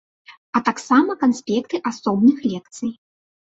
А таксама канспекты асобных лекцый.